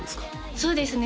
そうですね